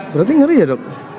berarti ngeri ya dok